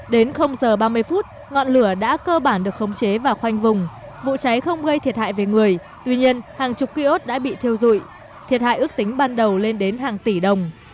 đến giờ ba mươi phút ngọn lửa đã cơ bản được khống chế và khoanh vùng vụ cháy không gây thiệt hại về người tuy nhiên hàng chục ký ốt đã bị thiêu dụi thiệt hại ước tính ban đầu lên đến hàng tỷ đồng